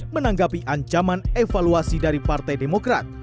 menanggapi ancaman evaluasi dari partai demokrat